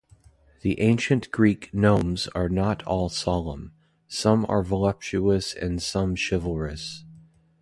The ancient Greek gnomes are not all solemn; some are voluptuous and some chivalrous.